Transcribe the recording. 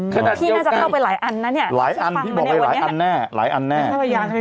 พี่น่าจะเข้าไปหลายอันนะเนี่ยพี่จะฟังมาในวันนี้